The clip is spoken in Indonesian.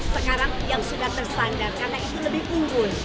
sekarang yang sudah tersandar karena itu lebih unggul